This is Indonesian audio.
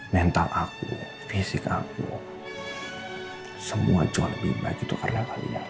mental aku fisik aku semua jauh lebih baik itu karena kalian